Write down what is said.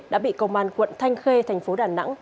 đã bị công an quận thanh khê tp đà nẵng